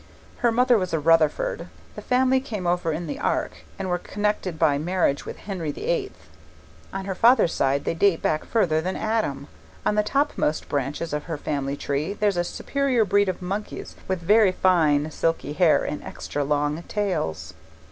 Her mother was a Rutherford. The family came over in the ark, and were connected by marriage with Henry the VIII. On her father's side they date back further than Adam. On the topmost branches of her family tree there's a superior breed of monkeys with very fine silky hair and extra long tails.